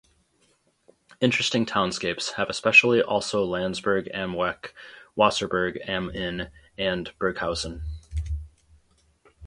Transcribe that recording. Interesting townscapes have especially also Landsberg am Lech, Wasserburg am Inn and Burghausen.